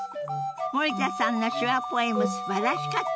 森田さんの手話ポエムすばらしかったわね。